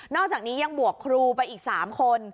อกจากนี้ยังบวกครูไปอีก๓คน